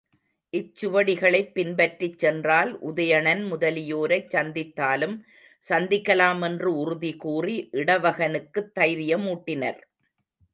இச் சுவடிகளைப் பின்பற்றிச் சென்றால் உதயணன் முதலியோரைச் சந்தித்தாலும் சந்திக்கலாம் என்று உறுதிகூறி, இடவகனுக்குத் தைரிய மூட்டினர்.